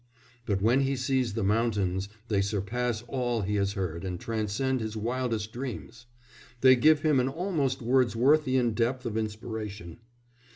But when he sees the mountains they surpass all he has heard and transcend his wildest dreams; they give him an almost Wordsworthian depth of inspiration.